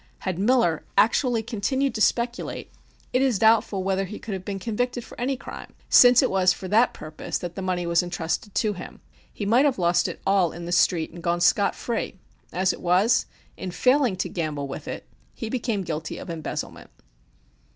Had Miller actually continued to speculate it is doubtful whether he could have been convicted for any crime, since it was for that purpose that the money was entrusted to him. He might have lost it all in the Street and gone scot free. As it was, in failing to gamble with it, he became guilty of embezzlement.